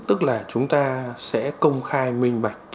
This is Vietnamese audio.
tức là chúng ta sẽ công khai minh bạch